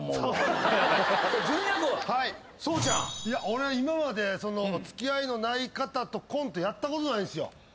俺今まで付き合いのない方とコントやったことないんすよ。